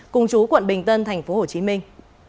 cùng chú quận bình tân thành phố hồ chí minh